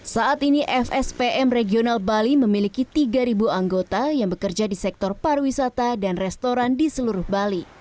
saat ini fspm regional bali memiliki tiga anggota yang bekerja di sektor pariwisata dan restoran di seluruh bali